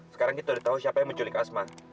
sekarang kita udah tahu siapa yang menculik asma